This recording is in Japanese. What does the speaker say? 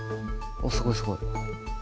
おっすごいすごい！